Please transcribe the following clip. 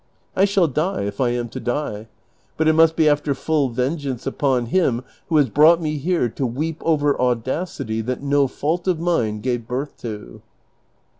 I shall 296 DON QUIXOTE. die, if I am to die ; but it must be after full vengeance upon him who has brought me here to weep over audacity that no fault of mine gave birth to."